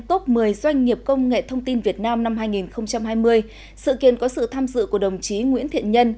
top một mươi doanh nghiệp công nghệ thông tin việt nam năm hai nghìn hai mươi sự kiện có sự tham dự của đồng chí nguyễn thiện nhân